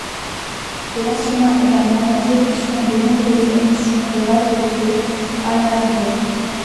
Il assuma également la direction de nombreuses émissions de variété à la radio.